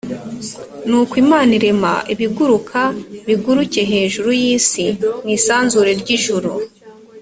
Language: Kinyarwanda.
nuko imana irema ibiguruka biguruke hejuru y’isi mu isanzure ry’ijuru